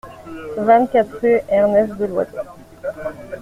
vingt-quatre rue Ernest Deloison